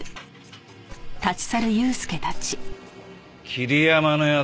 桐山の奴